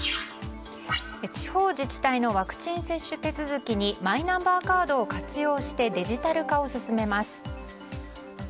地方自治体のワクチン接種手続きにマイナンバーカードを活用してデジタル化を進めます。